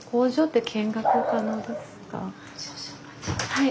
はい。